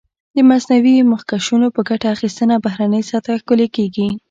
د مصنوعي مخکشونو په ګټه اخیستنه بهرنۍ سطحه ښکلې کېږي.